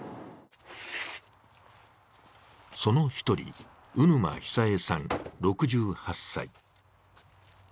その１人、鵜沼久江さん６８歳。